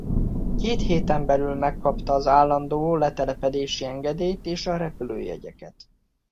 Két héten belül megkapta az állandó letelepedési engedélyt és a repülőjegyeket.